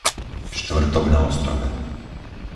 Štvrtok na Ostrove